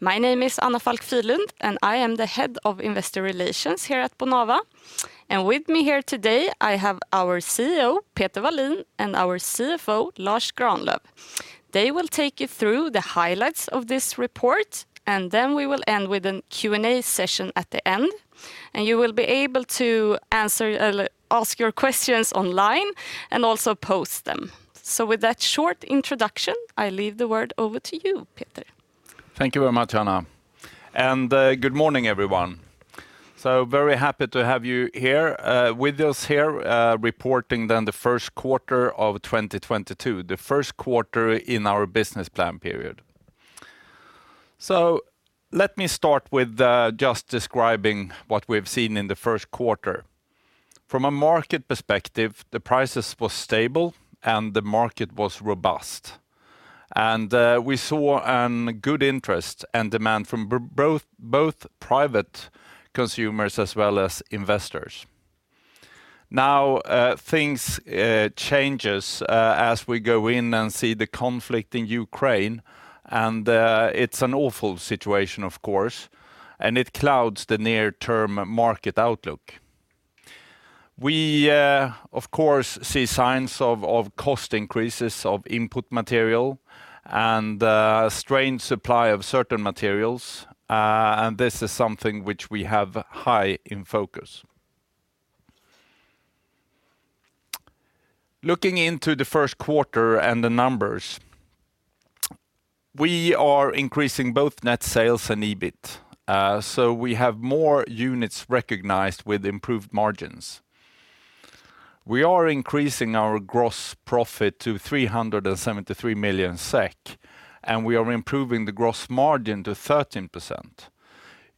My name is Anna Falck-Fyhrlund, and I am the Head of Investor Relations here at Bonava. With me here today, I have our CEO, Peter Wallin, and our CFO, Lars Granlöf. They will take you through the highlights of this report, and then we will end with a Q&A session at the end. You will be able to answer, ask your questions online and also post them. With that short introduction, I leave the word over to you, Peter. Thank you very much, Anna. Good morning, everyone. Very happy to have you here with us here reporting then the first quarter of 2022, the first quarter in our business plan period. Let me start with just describing what we've seen in the first quarter. From a market perspective, the prices was stable, and the market was robust. We saw a good interest and demand from both private consumers as well as investors. Now, things changes as we go in and see the conflict in Ukraine. It's an awful situation, of course, and it clouds the near-term market outlook. We of course see signs of cost increases of input material and strained supply of certain materials, and this is something which we have high in focus. Looking into the first quarter and the numbers, we are increasing both net sales and EBIT. We have more units recognized with improved margins. We are increasing our gross profit to 373 million SEK, and we are improving the gross margin to 13%.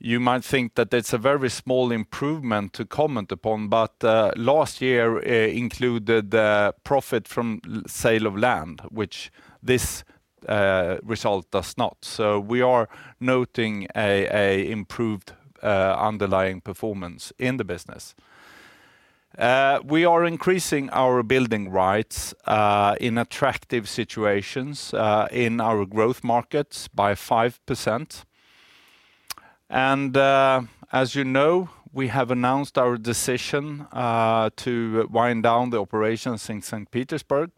You might think that that's a very small improvement to comment upon, but last year included the profit from sale of land, which this result does not. We are noting improved underlying performance in the business. We are increasing our building rights in attractive situations in our growth markets by 5%. As you know, we have announced our decision to wind down the operations in St. Petersburg.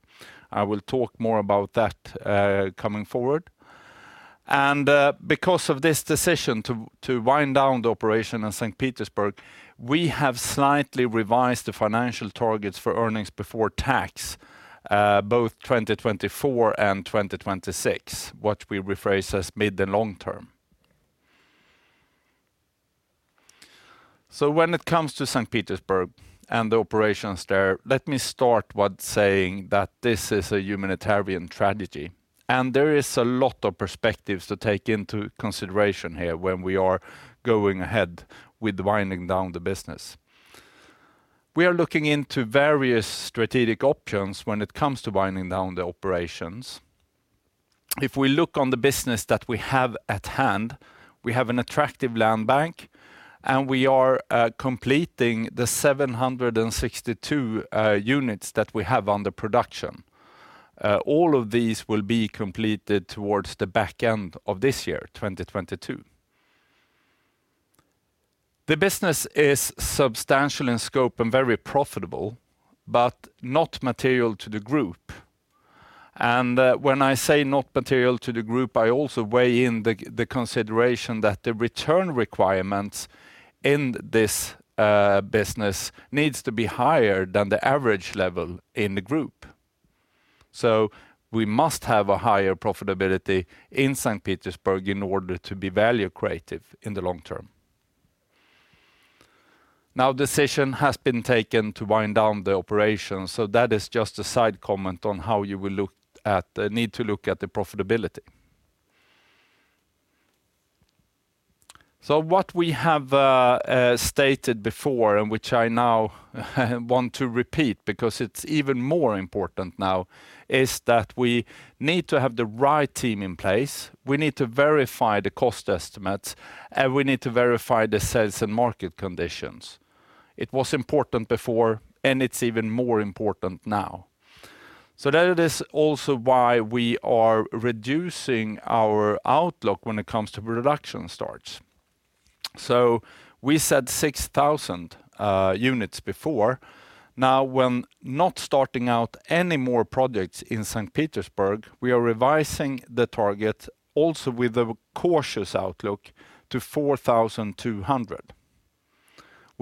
I will talk more about that coming forward. Because of this decision to wind down the operation in St. Petersburg, we have slightly revised the financial targets for earnings before tax, both 2024 and 2026, what we rephrase as mid- and long-term. When it comes to St. Petersburg and the operations there, let me start with saying that this is a humanitarian tragedy. There is a lot of perspectives to take into consideration here when we are going ahead with winding down the business. We are looking into various strategic options when it comes to winding down the operations. If we look on the business that we have at hand, we have an attractive land bank, and we are completing the 762 units that we have under production. All of these will be completed towards the back end of this year, 2022. The business is substantial in scope and very profitable, but not material to the group. When I say not material to the group, I also weigh in the consideration that the return requirements in this business needs to be higher than the average level in the group. We must have a higher profitability in St. Petersburg in order to be value creative in the long term. Now, decision has been taken to wind down the operation, so that is just a side comment on how you need to look at the profitability. What we have stated before, and which I now want to repeat because it's even more important now, is that we need to have the right team in place. We need to verify the cost estimates, and we need to verify the sales and market conditions. It was important before, and it's even more important now. That is also why we are reducing our outlook when it comes to production starts. We said 6,000 units before. Now, when not starting out any more projects in St. Petersburg, we are revising the target also with a cautious outlook to 4,200.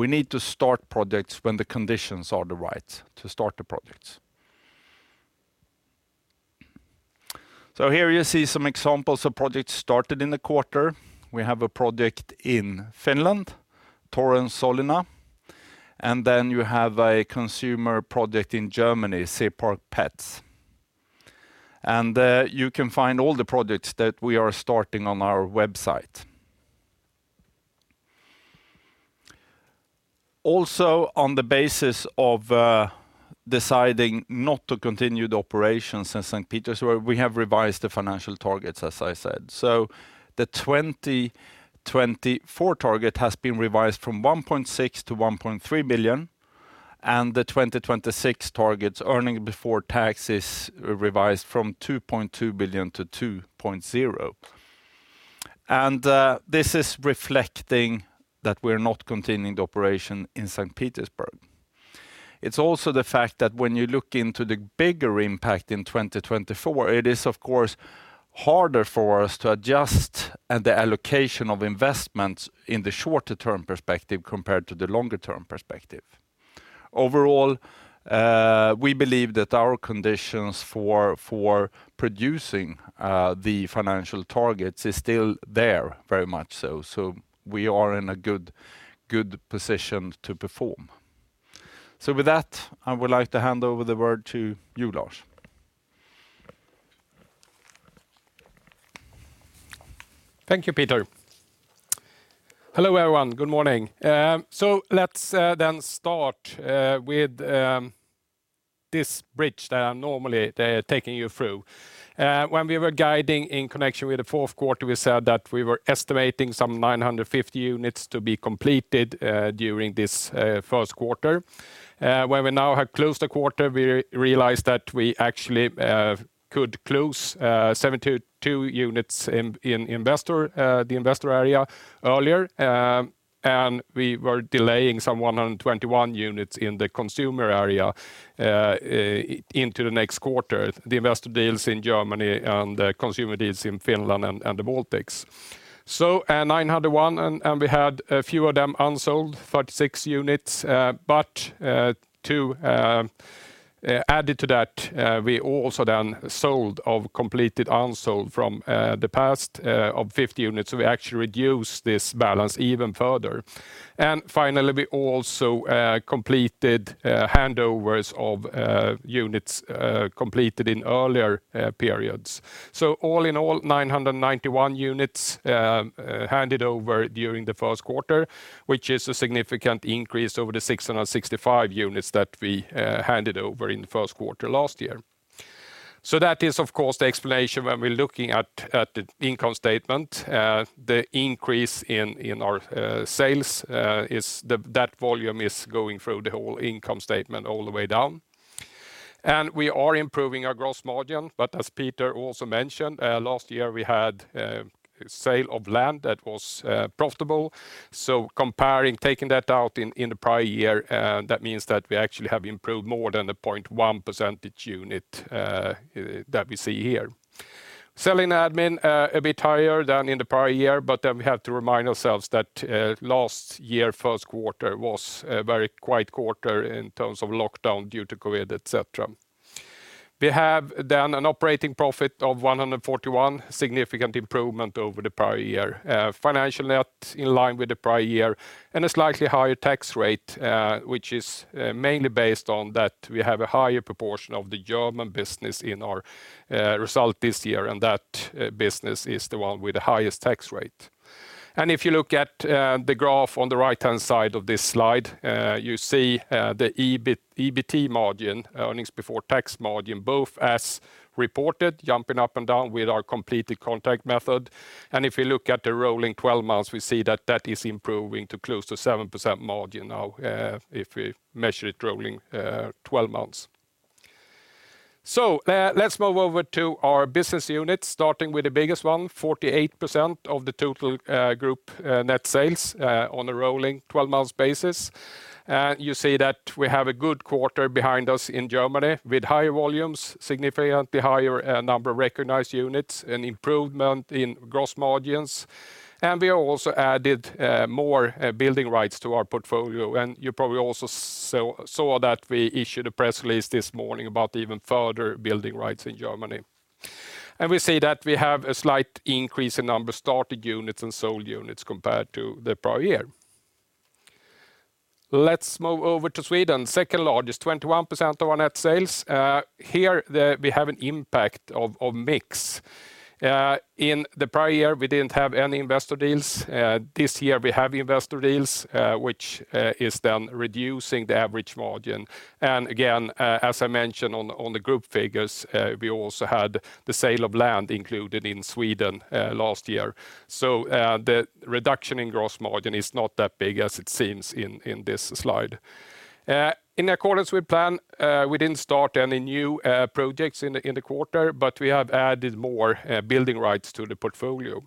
We need to start projects when the conditions are the right to start the projects. Here you see some examples of projects started in the quarter. We have a project in Finland. Then you have a consumer project in Germany, Seepark Pätz. You can find all the projects that we are starting on our website. Also, on the basis of deciding not to continue the operations in St. Petersburg, we have revised the financial targets, as I said. The 2024 target has been revised from 1.6 billion to 1.3 billion. The 2026 targets earnings before taxes revised from 2.2 billion to 2.0 billion. This is reflecting that we're not continuing the operation in St. Petersburg. It's also the fact that when you look into the bigger impact in 2024, it is of course harder for us to adjust and the allocation of investments in the shorter-term perspective compared to the longer-term perspective. Overall, we believe that our conditions for producing the financial targets is still there very much so. We are in a good position to perform. With that, I would like to hand over the word to you, Lars. Thank you, Peter. Hello, everyone. Good morning. Let's then start with this bridge that I'm normally taking you through. When we were guiding in connection with the fourth quarter, we said that we were estimating some 950 units to be completed during this first quarter. When we now have closed the quarter, we realized that we actually could close 72 units in the investor area earlier. We were delaying some 121 units in the consumer area into the next quarter, the investor deals in Germany and the consumer deals in Finland and the Baltics. At 901, we had a few of them unsold, 36 units. Added to that, we also then sold off completed unsold from the past of 50 units. We actually reduced this balance even further. Finally, we also completed handovers of units completed in earlier periods. All in all, 991 units handed over during the first quarter, which is a significant increase over the 665 units that we handed over in the first quarter last year. That is, of course, the explanation when we're looking at the income statement. The increase in our sales is that volume going through the whole income statement all the way down. We are improving our gross margin. As Peter also mentioned, last year we had sale of land that was profitable. Comparing, taking that out in the prior year, that means that we actually have improved more than the 0.1 percentage points that we see here. Selling admin a bit higher than in the prior year, but we have to remind ourselves that last year first quarter was a very quiet quarter in terms of lockdown due to COVID. We have an operating profit of 141, significant improvement over the prior year. Financial net in line with the prior year, and a slightly higher tax rate, which is mainly based on that we have a higher proportion of the German business in our result this year, and that business is the one with the highest tax rate. If you look at the graph on the right-hand side of this slide, you see the EBT margin, earnings before tax margin, both as reported, jumping up and down with our completed contract method. If you look at the rolling 12 months, we see that that is improving to close to 7% margin now, if we measure it rolling 12 months. Let's move over to our business unit, starting with the biggest one, 48% of the total group net sales on a rolling 12 months basis. You see that we have a good quarter behind us in Germany with higher volumes, significantly higher number of recognized units, an improvement in gross margins. We also added more building rights to our portfolio. You probably also saw that we issued a press release this morning about even further building rights in Germany. We see that we have a slight increase in number of started units and sold units compared to the prior year. Let's move over to Sweden. Second largest, 21% of our net sales. Here, we have an impact of mix. In the prior year, we didn't have any investor deals. This year, we have investor deals, which is then reducing the average margin. Again, as I mentioned on the group figures, we also had the sale of land included in Sweden last year. The reduction in gross margin is not that big as it seems in this slide. In accordance with plan, we didn't start any new projects in the quarter, but we have added more building rights to the portfolio.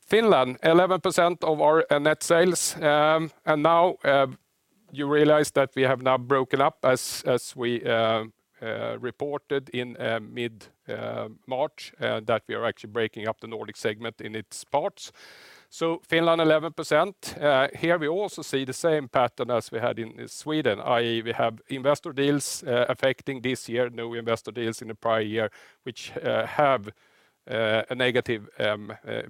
Finland, 11% of our net sales. Now, you realize that we have now broken up as we reported in mid March that we are actually breaking up the Nordic segment in its parts. Finland, 11%. Here, we also see the same pattern as we had in Sweden, i.e., we have investor deals affecting this year, no investor deals in the prior year, which have a negative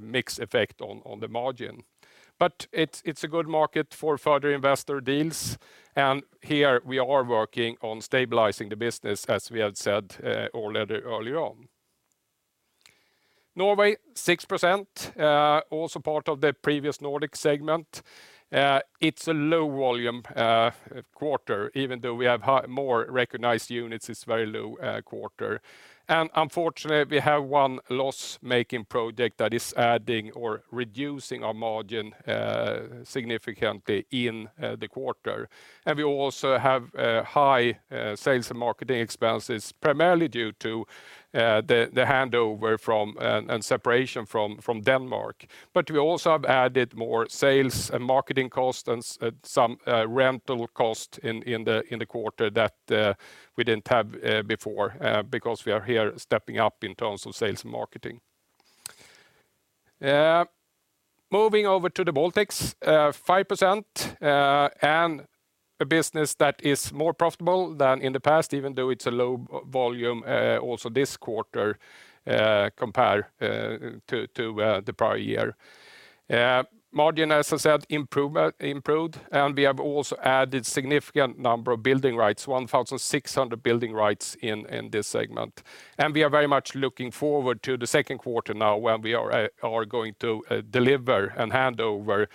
mix effect on the margin. It's a good market for further investor deals. Here we are working on stabilizing the business as we had said already earlier on. Norway, 6%, also part of the previous Nordic segment. It's a low volume quarter. Even though we have more recognized units, it's very low quarter. Unfortunately, we have one loss-making project that is adding or reducing our margin significantly in the quarter. We also have high sales and marketing expenses, primarily due to the handover from and separation from Denmark. We also have added more sales and marketing costs and some rental costs in the quarter that we didn't have before because we are here stepping up in terms of sales and marketing. Moving over to the Baltics, 5% and a business that is more profitable than in the past, even though it's a low volume also this quarter compared to the prior year. Margin, as I said, improved, and we have also added significant number of building rights, 1,600 building rights in this segment. We are very much looking forward to the second quarter now when we are going to deliver and hand over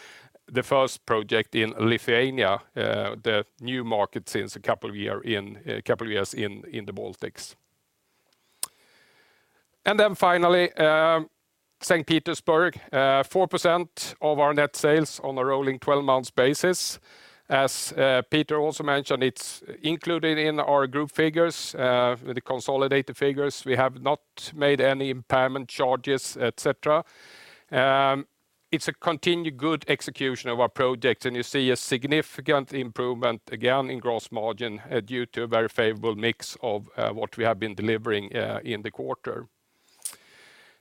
the first project in Lithuania, the new market since a couple of years in the Baltics. St. Petersburg 4% of our net sales on a rolling twelve months basis. As Peter also mentioned, it's included in our group figures, the consolidated figures. We have not made any impairment charges, et cetera. It's a continued good execution of our project, and you see a significant improvement again in gross margin due to a very favorable mix of what we have been delivering in the quarter.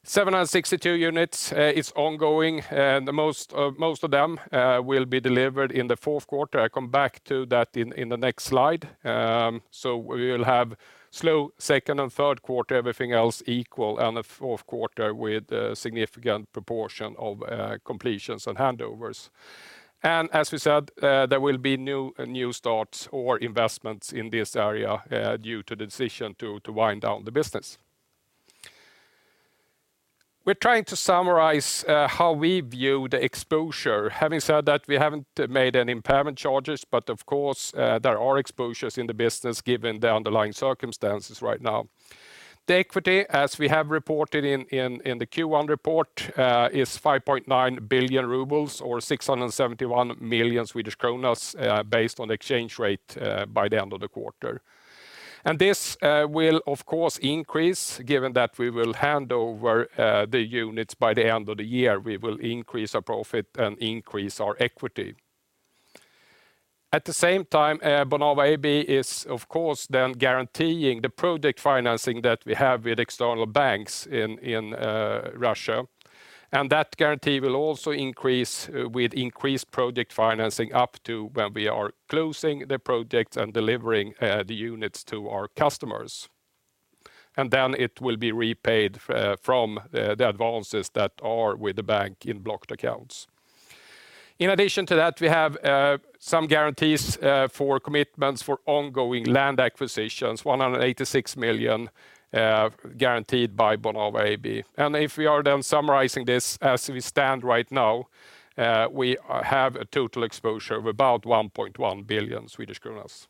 762 units is ongoing, and most of them will be delivered in the fourth quarter. I come back to that in the next slide. We will have slow second and third quarter, everything else equal, and a fourth quarter with a significant proportion of completions and handovers. As we said, there will be new starts or investments in this area due to the decision to wind down the business. We're trying to summarize how we view the exposure. Having said that, we haven't made any impairment charges, but of course there are exposures in the business given the underlying circumstances right now. The equity, as we have reported in the Q1 report, is 5.9 billion rubles or 671 million Swedish kronor, based on exchange rate by the end of the quarter. This will of course increase given that we will hand over the units by the end of the year. We will increase our profit and increase our equity. At the same time, Bonava AB is of course then guaranteeing the project financing that we have with external banks in Russia. That guarantee will also increase with increased project financing up to when we are closing the project and delivering the units to our customers. Then it will be repaid from the advances that are with the bank in blocked accounts. In addition to that, we have some guarantees for commitments for ongoing land acquisitions, 186 million, guaranteed by Bonava AB. If we are then summarizing this as we stand right now, we have a total exposure of about 1.1 billion Swedish kronor.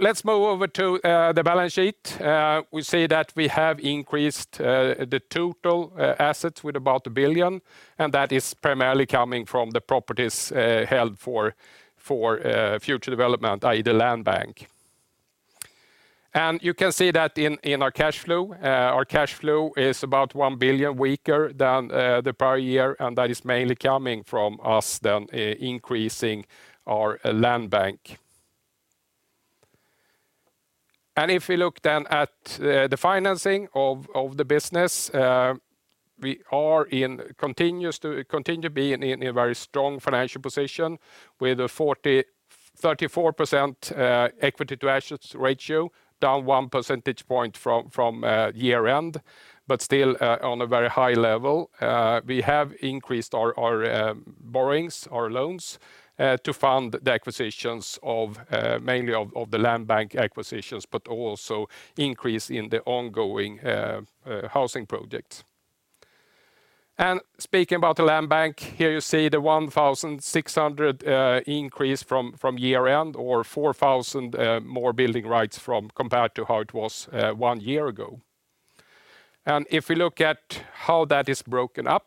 Let's move over to the balance sheet. We see that we have increased the total assets with about 1 billion, and that is primarily coming from the properties held for future development, i.e. the land bank. You can see that in our cash flow. Our cash flow is about 1 billion weaker than the prior year, and that is mainly coming from us then increasing our land bank. If we look then at the financing of the business, we continue to be in a very strong financial position with a 34% equity to assets ratio, down one percentage point from year-end, but still on a very high level. We have increased our borrowings, our loans to fund the acquisitions of mainly the land bank acquisitions, but also increase in the ongoing housing projects. Speaking about the land bank, here you see the 1,600 increase from year-end or 4,000 more building rights compared to how it was one year ago. If we look at how that is broken up,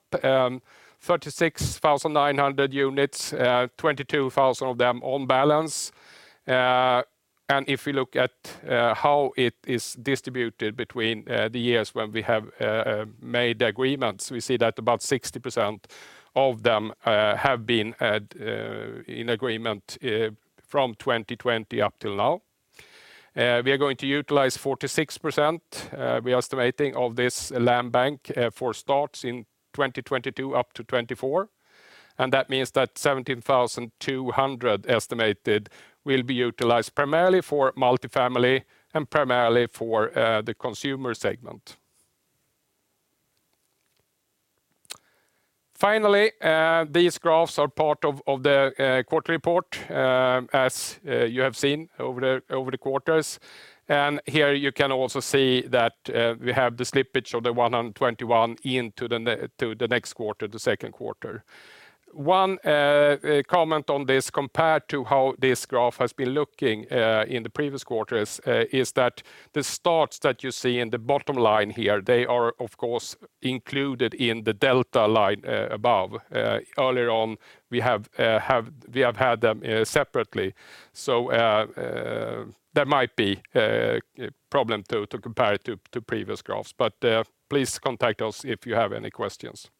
36,900 units, 22,000 of them on balance. If we look at how it is distributed between the years when we have made agreements, we see that about 60% of them have been in agreement from 2020 up till now. We are going to utilize 46%, we're estimating, of this land bank for starts in 2022 up to 2024. That means that 17,200 estimated will be utilized primarily for multi-family and primarily for the consumer segment. Finally, these graphs are part of the quarterly report as you have seen over the quarters. Here you can also see that we have the slippage of the 121 into the next quarter, the second quarter. One comment on this compared to how this graph has been looking in the previous quarters is that the starts that you see in the bottom line here, they are of course included in the delta line above. Earlier on, we have had them separately. That might be a problem to compare it to previous graphs. Please contact us if you have any questions.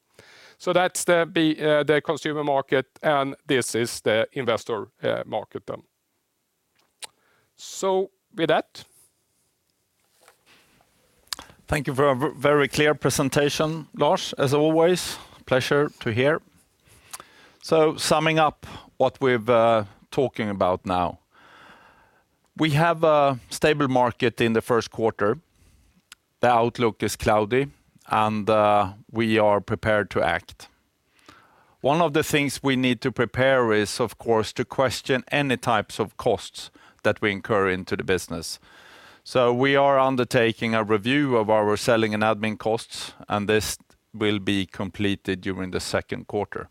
That's the consumer market, and this is the investor market then. With that... Thank you for a very clear presentation, Lars, as always. Pleasure to hear. Summing up what we're talking about now. We have a stable market in the first quarter. The outlook is cloudy, and we are prepared to act. One of the things we need to prepare is, of course, to question any types of costs that we incur into the business. We are undertaking a review of our selling and administrative expenses, and this will be completed during the second quarter.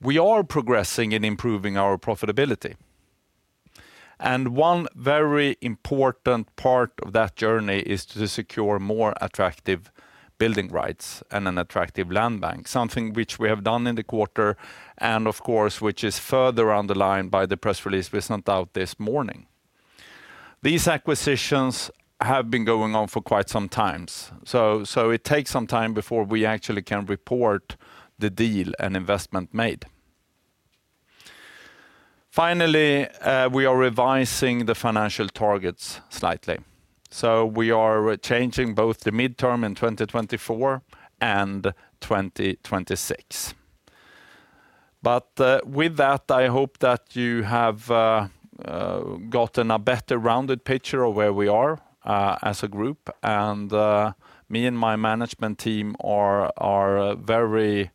We are progressing in improving our profitability. One very important part of that journey is to secure more attractive building rights and an attractive land bank, something which we have done in the quarter and of course, which is further underlined by the press release we sent out this morning. These acquisitions have been going on for quite some time. It takes some time before we actually can report the deal and investment made. Finally, we are revising the financial targets slightly. We are changing both the midterm in 2024 and 2026. With that, I hope that you have gotten a better rounded picture of where we are, as a group. Me and my management team are very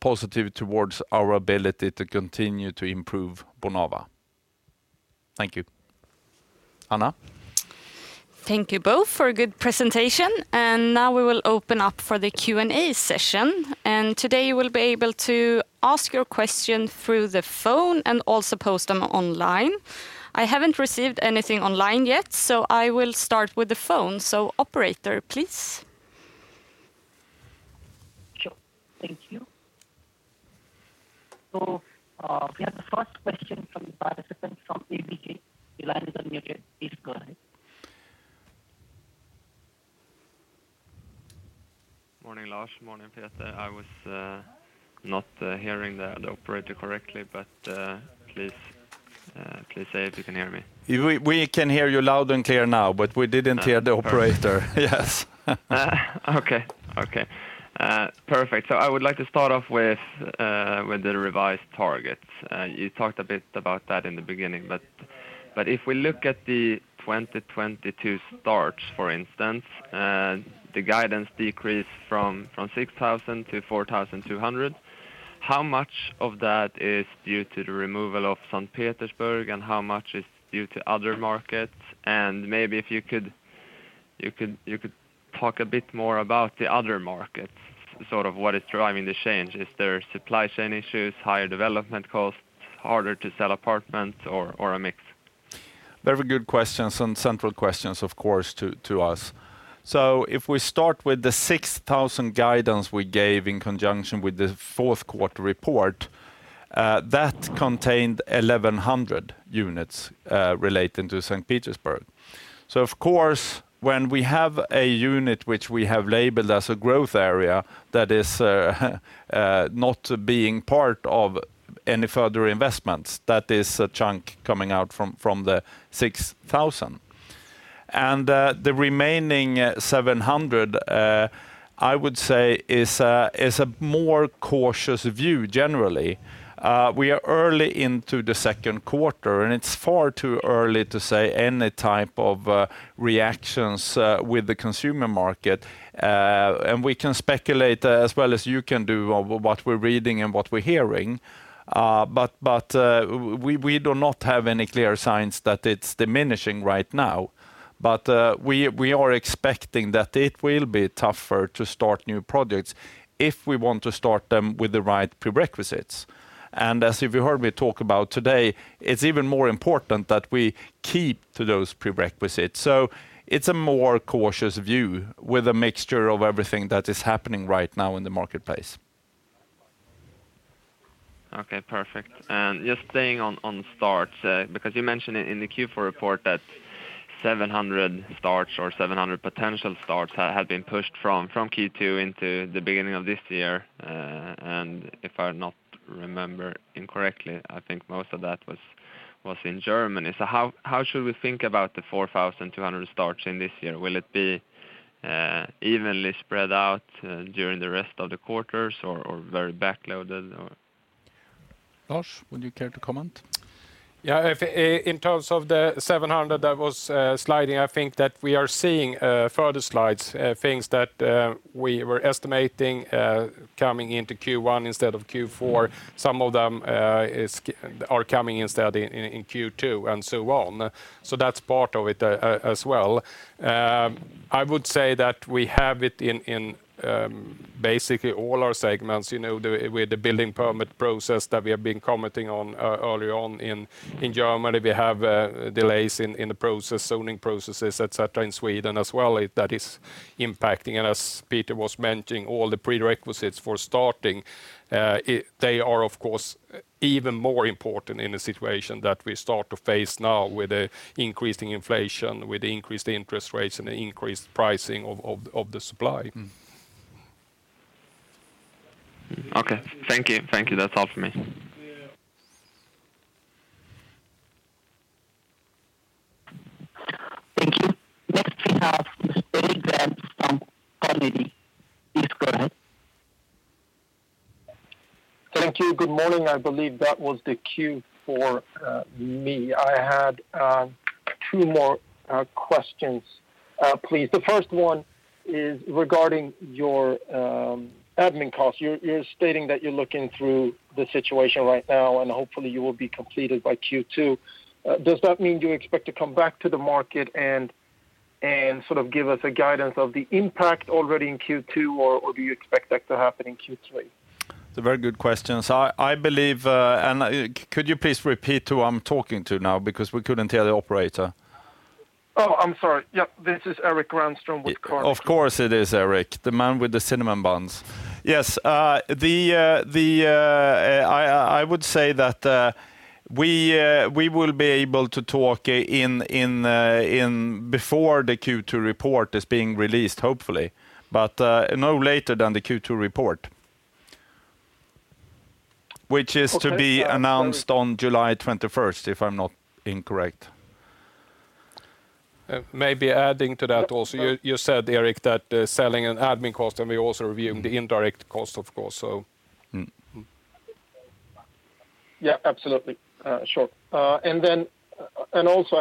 positive towards our ability to continue to improve Bonava. Thank you. Anna? Thank you both for a good presentation. Now we will open up for the Q&A session. Today you will be able to ask your question through the phone and also post them online. I haven't received anything online yet, so I will start with the phone. Operator, please. Sure. Thank you. We have the first question from participant from DNB. The line is unmuted. Please go ahead. Morning, Lars. Morning, Peter. I was not hearing the operator correctly, but please say if you can hear me. We can hear you loud and clear now, but we didn't hear the operator. Yes. Perfect. I would like to start off with the revised targets. You talked a bit about that in the beginning. If we look at the 2022 starts, for instance, the guidance decreased from 6,000 to 4,200. How much of that is due to the removal of St. Petersburg and how much is due to other markets? Maybe if you could talk a bit more about the other markets, sort of what is driving the change. Is there supply chain issues, higher development costs, harder to sell apartments or a mix? Very good questions and central questions, of course, to us. If we start with the 6,000 guidance we gave in conjunction with the fourth quarter report, that contained 1,100 units relating to St. Petersburg. Of course, when we have a unit which we have labeled as a growth area that is not being part of any further investments, that is a chunk coming out from the 6,000. The remaining 700, I would say is a more cautious view generally. We are early into the second quarter, and it's far too early to say any type of reactions with the consumer market. We can speculate as well as you can do on what we're reading and what we're hearing. But we do not have any clear signs that it's diminishing right now. We are expecting that it will be tougher to start new projects if we want to start them with the right prerequisites. As you heard me talk about today, it's even more important that we keep to those prerequisites. It's a more cautious view with a mixture of everything that is happening right now in the marketplace. Okay, perfect. Just staying on starts, because you mentioned in the Q4 report that 700 starts or 700 potential starts had been pushed from Q2 into the beginning of this year. If I not remember incorrectly, I think most of that was in Germany. How should we think about the 4,200 starts in this year? Will it be evenly spread out during the rest of the quarters or very backloaded or? Lars, would you care to comment? Yeah. If in terms of the 700 that was sliding, I think that we are seeing further slides, things that we were estimating coming into Q1 instead of Q4. Some of them are coming instead in Q2 and so on. So that's part of it as well. I would say that we have it in basically all our segments, you know, with the building permit process that we have been commenting on earlier in Germany. We have delays in the process, zoning processes, et cetera, in Sweden as well, that is impacting. As Peter was mentioning, all the prerequisites for starting it. They are of course even more important in a situation that we start to face now with the increasing inflation, with increased interest rates, and the increased pricing of the supply. Mm-hmm. Okay. Thank you. Thank you. That's all for me. Thank you. Next we have Mr. Erik Granström from Carnegie. Please go ahead. Thank you. Good morning. I believe that was the cue for me. I had two more questions, please. The first one is regarding your admin costs. You're stating that you're looking through the situation right now, and hopefully you will be completed by Q2. Does that mean you expect to come back to the market and sort of give us a guidance of the impact already in Q2, or do you expect that to happen in Q3? It's a very good question. Could you please repeat who I'm talking to now because we couldn't hear the operator. Oh, I'm sorry. Yep. This is Erik Granström with Carnegie. Of course it is, Erik, the man with the cinnamon buns. Yes. I would say that we will be able to talk in before the Q2 report is being released, hopefully. No later than the Q2 report. Which is to be announced on July twenty-first, if I'm not incorrect. Maybe adding to that also. You said, Erik, that selling and admin cost, and we're also reviewing the indirect cost, of course. Yeah, absolutely. Sure. I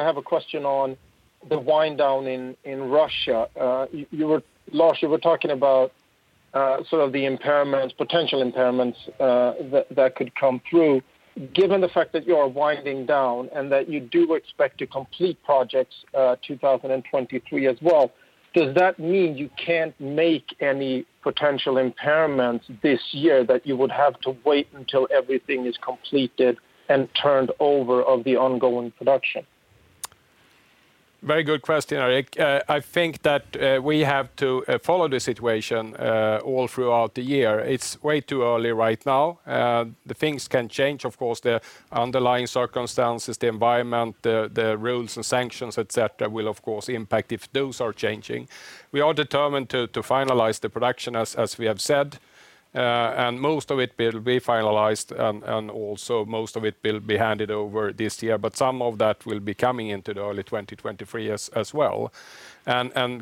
have a question on the wind down in Russia. Lars, you were talking about sort of the impairments, potential impairments that could come through. Given the fact that you are winding down and that you do expect to complete projects, 2023 as well, does that mean you can't make any potential impairments this year that you would have to wait until everything is completed and turned over or the ongoing production? Very good question, Erik. I think that we have to follow the situation all throughout the year. It's way too early right now. The things can change, of course, the underlying circumstances, the environment, the rules and sanctions, et cetera, will of course impact if those are changing. We are determined to finalize the production, as we have said. Most of it will be finalized, and also most of it will be handed over this year. Some of that will be coming into the early 2023 as well.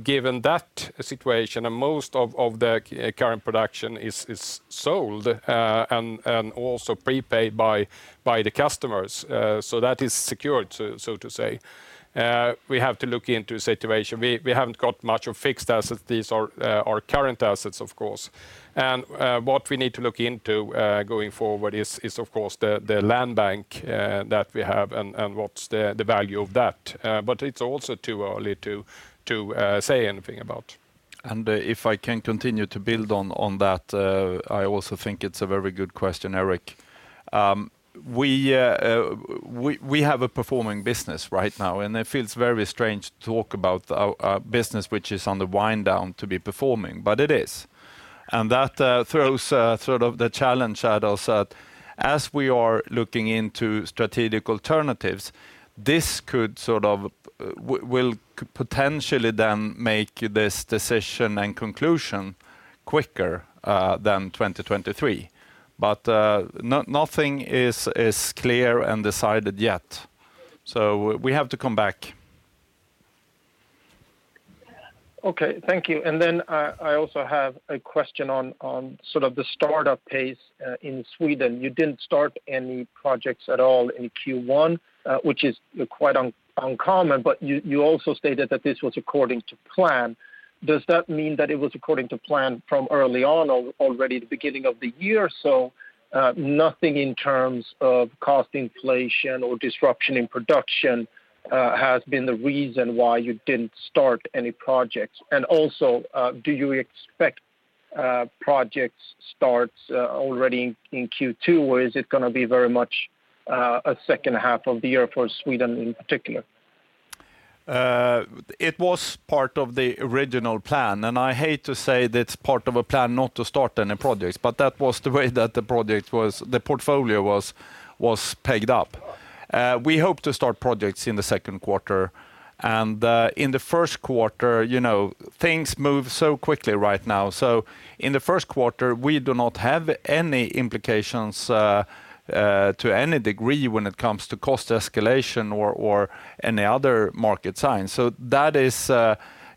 Given that situation, and most of the current production is sold, and also prepaid by the customers, so that is secured so to speak. We have to look into the situation. We haven't got much of fixed assets. These are our current assets, of course. What we need to look into going forward is of course the land bank that we have and what's the value of that. But it's also too early to say anything about. If I can continue to build on that. I also think it's a very good question, Erik. We have a performing business right now, and it feels very strange to talk about our business, which is on the wind down to be performing, but it is. That throws sort of the challenge at us that as we are looking into strategic alternatives, this could sort of will potentially then make this decision and conclusion quicker than 2023. Nothing is clear and decided yet. We have to come back. Okay. Thank you. I also have a question on sort of the startup pace in Sweden. You didn't start any projects at all in Q1, which is quite uncommon, but you also stated that this was according to plan. Does that mean that it was according to plan from early on already the beginning of the year, so nothing in terms of cost inflation or disruption in production has been the reason why you didn't start any projects? Do you expect project starts already in Q2, or is it gonna be very much a H2 of the year for Sweden in particular? It was part of the original plan, and I hate to say that it's part of a plan not to start any projects, but that was the way that the portfolio was pegged up. We hope to start projects in the second quarter. In the first quarter, you know, things move so quickly right now. In the first quarter, we do not have any implications to any degree when it comes to cost escalation or any other market signs. That is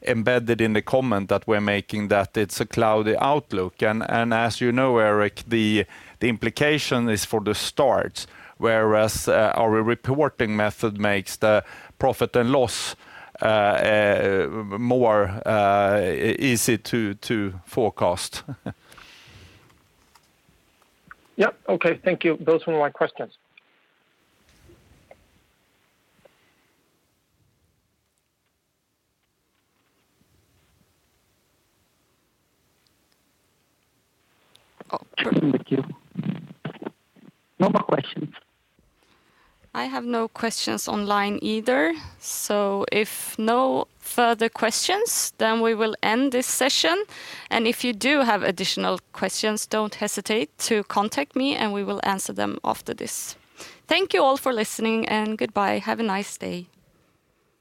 embedded in the comment that we're making that it's a cloudy outlook. As you know, Erik, the implication is for the start, whereas our reporting method makes the profit and loss more easy to forecast. Yep. Okay. Thank you. Those were my questions. Checking the queue. No more questions. I have no questions online either. If no further questions, then we will end this session. If you do have additional questions, don't hesitate to contact me, and we will answer them after this. Thank you all for listening, and goodbye. Have a nice day.